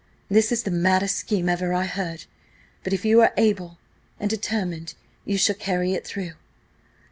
This is the maddest scheme ever I heard; but if you are determined, you shall carry it through.